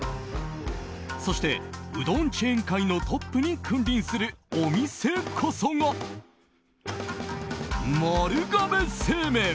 そしてうどんチェーン界のトップに君臨するお店こそが丸亀製麺。